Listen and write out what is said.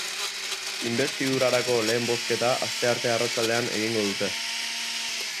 Inbestidurarako lehen bozketa astearte arratsaldean egingo dute.